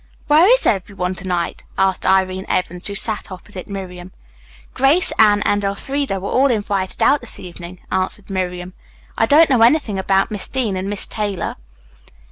"Where is everyone to night?" asked Irene Evans, who sat opposite Miriam. "Grace, Anne and Elfreda were all invited out this evening," answered Miriam. "I don't know anything about Miss Dean and Miss Taylor."